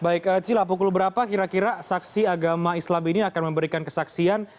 baik cila pukul berapa kira kira saksi agama islam ini akan memberikan kesaksian